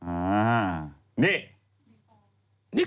อ่านี่